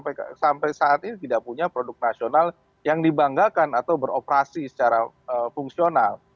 mereka sampai saat ini tidak punya produk nasional yang dibanggakan atau beroperasi secara fungsional